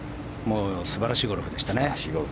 素晴らしいゴルフでしたね。